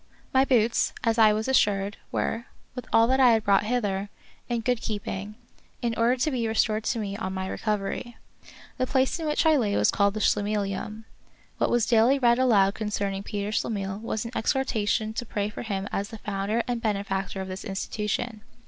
My boots, as I was assured, were, with all that I had brought hither, in good keeping, in order to be restored to me on my recovery. The place in which I lay was called the Schlemihlium. What was daily read aloud concerning Peter Schlemihl was an exhortation to pray for him as the founder and benefactor of this institution.